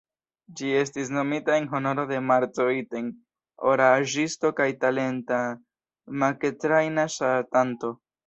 Ĝi estis nomita en honoro de "Marco Iten", oraĵisto kaj talenta makettrajna ŝatanto,